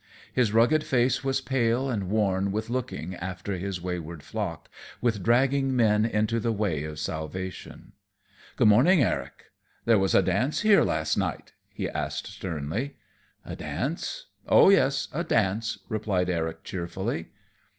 His rugged face was pale and worn with looking after his wayward flock, with dragging men into the way of salvation. "Good morning, Eric. There was a dance here last night?" he asked, sternly. "A dance? Oh, yes, a dance," replied Eric, cheerfully.